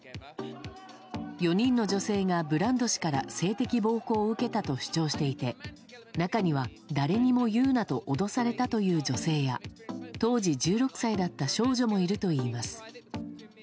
４人の女性がブランド氏から性的暴行を受けたと主張していて中には、誰にも言うなと脅されたという女性や当時１６歳だった少女もいるといいます。